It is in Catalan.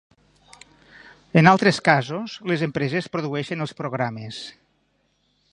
En altres casos, les empreses produeixen els programes.